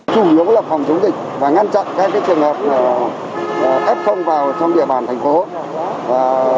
chủ yếu là phòng chống dịch và ngăn chặn các trường hợp ép phong vào trong địa bàn thành phố